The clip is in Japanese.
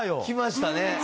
きましたね。